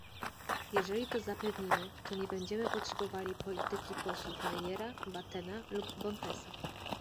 Jeżeli to zapewnimy, to nie będziemy potrzebowali polityki posłów Meyera, Battena lub Bontesa